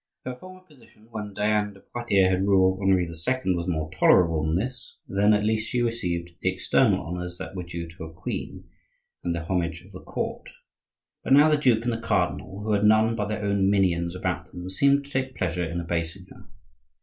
Her former position, when Diane de Poitiers had ruled Henri II., was more tolerable than this; then at least she received the external honors that were due to a queen, and the homage of the court. But now the duke and the cardinal, who had none but their own minions about them, seemed to take pleasure in abasing her.